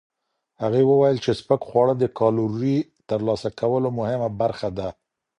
هغه وویل چې سپک خواړه د کالورۍ ترلاسه کولو مهمه برخه ده.